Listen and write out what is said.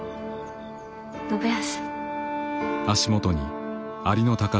信康。